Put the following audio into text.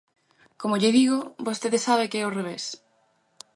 Como lle digo, vostede sabe que é ao revés.